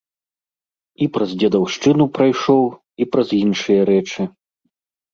І праз дзедаўшчыну прайшоў, і праз іншыя рэчы.